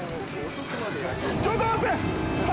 ちょっと待って！